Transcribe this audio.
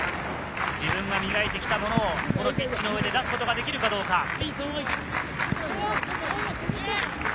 自分が磨いてきたものをこのピッチの上で出すことができるかどうか。